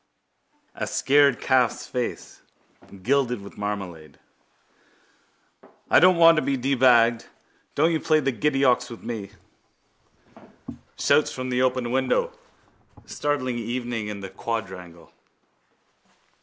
A scared calf's face gilded with marmalade. I don't want to be debagged! Don't you play the giddy ox with me! Shouts from the open window startling evening in the quadrangle.